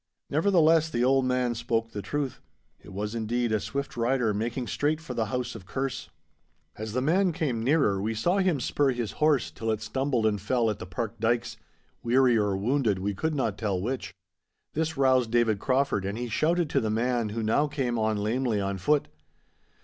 Nevertheless, the old man spoke the truth. It was, indeed, a swift rider making straight for the house of Kerse. As the man came nearer we saw him spur his horse till it stumbled and fell at the park dykes, weary or wounded, we could not tell which. This roused David Crauford, and he shouted to the man who now came on lamely on foot.